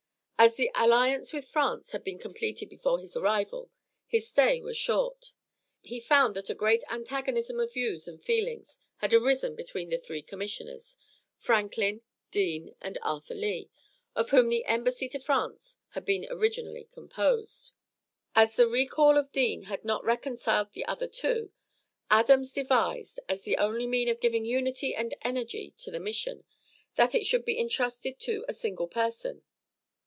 As the alliance with France had been completed before his arrival, his stay was short. He found that a great antagonism of views and feelings had arisen between the three commissioners, Franklin, Deane, and Arthur Lee, of whom the embassy to France had been originally composed. As the recall of Deane had not reconciled the other two, Adams devised, as the only means of giving unity and energy to the mission, that it should be intrusted to a single person.